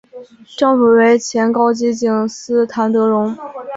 丈夫为前高级警司谭德荣。